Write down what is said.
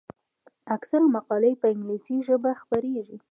اکثره مقالې په انګلیسي ژبه خپریږي.